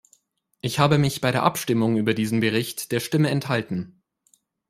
Ich habe mich bei der Abstimmung über diesen Bericht der Stimme enthalten.